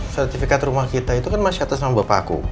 sertifikat rumah kita itu kan masih atas nama bapakku